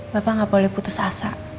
bapak nggak boleh putus asa